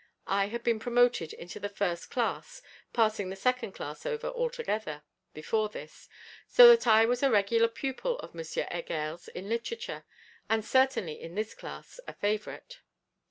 I had been promoted into the first class (passing the second class over altogether) before this, so that I was a regular pupil of M. Heger's in literature, and certainly in this class, a favourite.